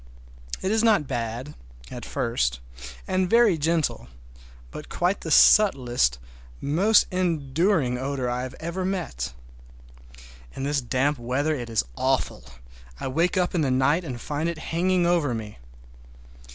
It is not bad—at first, and very gentle, but quite the subtlest, most enduring odor I ever met. In this damp weather it is awful. I wake up in the night and find it hanging over me.